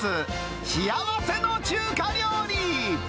幸せの中華料理。